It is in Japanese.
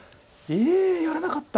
えやらなかった！